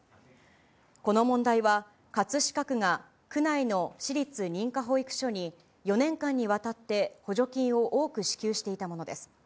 この問題は、葛飾区が区内の私立認可保育所に、４年間にわたって補助金を多く支給していたものです。